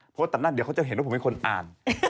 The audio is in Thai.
เพราะว่าตัดหน้าเดี๋ยวเขาจะเห็นว่าผมเป็นคนอ่าน